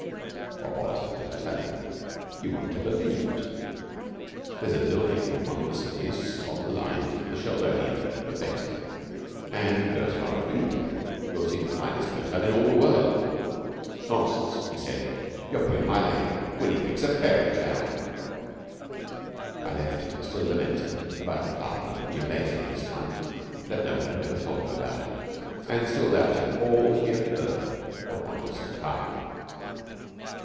'What was the good of telling? You wouldn't have believed. There's a building in one of the cities, on the lines of the Sheldonian, but better, and if you go as far as Winnipeg, you'll see the finest hotel in all the world.' 'Nonsense!' he said. 'You're pulling my leg! Winnipeg's a prairie town.' I left him still lamenting about a Club and a Gymnasium this time that no one had ever told him about; and still doubting all that he had heard of Wonders to come.